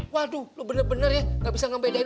waduh lo bener bener ya nggak bisa ngebedain